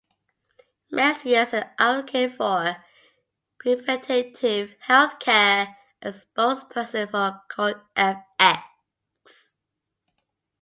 Messier is an advocate for preventative healthcare and spokesperson for Cold-fX.